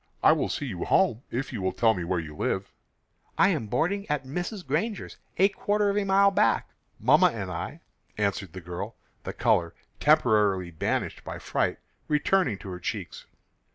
I will see you home if you will tell me where you live." "I am boarding at Mrs. Granger's, quarter of a mile back, mamma and I," answered the girl, the color, temporarily banished by fright, returning to her cheeks.